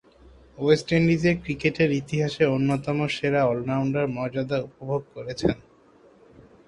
West ইন্ডিজের ক্রিকেটের ইতিহাসে অন্যতম সেরা অল-রাউন্ডারের মর্যাদা উপভোগ করেছেন।